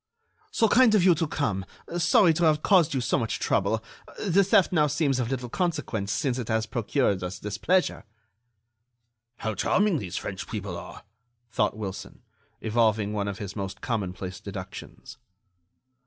"So kind of you to come! Sorry to have caused you so much trouble! The theft now seems of little consequence, since it has procured us this pleasure." "How charming these French people are!" thought Wilson, evolving one of his commonplace deductions.